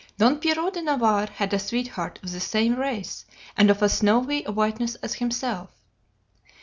"Don Pierrot de Navarre had a sweetheart of the same race and of as snowy a whiteness as himself.